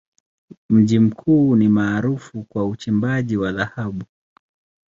Mji huu ni maarufu kwa uchimbaji wa dhahabu.